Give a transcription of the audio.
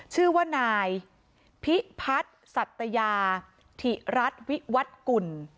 ชื่อว่านายพิพัฒน์สัตยาธิรัฐวิวัตกุล